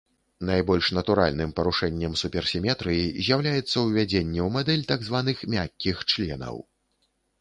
Найбольш натуральным парушэннем суперсіметрыі з'яўляецца ўвядзенне ў мадэль так званых мяккіх членаў.